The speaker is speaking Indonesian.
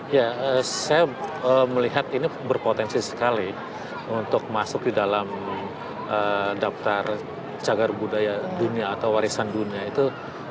ya saya melihat ini berpotensi sekali untuk masuk di dalam daftar cagar budaya dunia atau warisan dunia itu